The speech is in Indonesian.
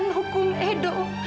jangan hukum edo